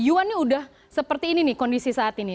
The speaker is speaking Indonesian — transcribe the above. yuannya udah seperti ini nih kondisi saat ini